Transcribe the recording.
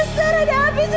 suster ada api suster